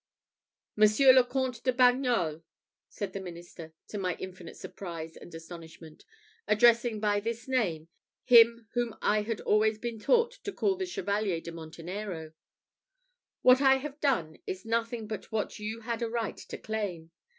"Monsieur le Comte de Bagnols," said the minister, to my infinite surprise and astonishment, addressing by this name him whom I had always been taught to call the Chevalier de Montenero, "what I have done is nothing but what you had a right to claim.